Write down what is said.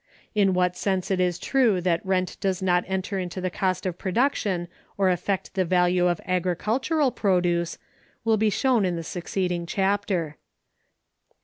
In what sense it is true that rent does not enter into the cost of production or affect the value of agricultural produce will be shown in the succeeding chapter.